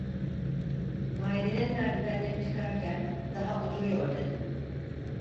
Dairenin merdivenlerini çıkarken: "Daha oturuyor!" dedi.